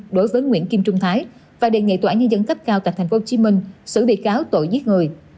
đối với nguyễn kim trung thái và đề nghị tòa án nhân dân cấp cao tại tp hcm xử bị cáo tội giết người